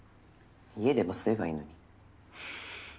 家でも吸えばいいのに。